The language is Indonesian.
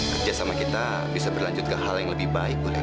kerja sama kita bisa berlanjut ke hal yang lebih baik boleh